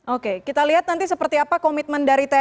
oke kita lihat nanti seperti apa komitmen dari tni